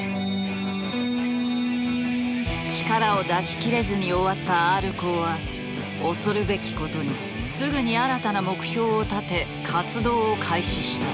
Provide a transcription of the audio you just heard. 力を出しきれずに終わったＲコーは恐るべきことにすぐに新たな目標を立て活動を開始した。